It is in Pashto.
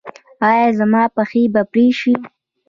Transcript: ایا زما پښې به پرې شي؟